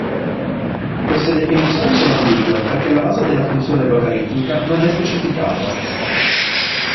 Queste definizioni sono ambigue perché la base della funzione logaritmica non è specificata.